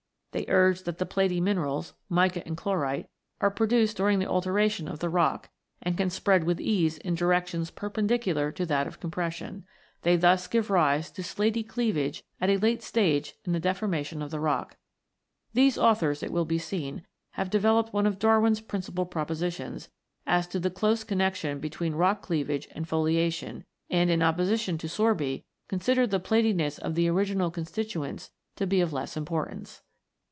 They urge that the platy minerals, mica and chlorite, are produced during the alteration of the rock, and can spread with ease in directions perpen dicular to that of compression ; they thus give rise to slaty cleavage at a late stage in the deformation of the rock. These authors, it will be seen, have developed one of Darwin's principal propositions, as to the close connexion between rock cleavage and foliation, and, in opposition to Sorby, consider the platiness of the original constituents to be of less importance.